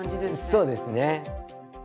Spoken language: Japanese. そうですね。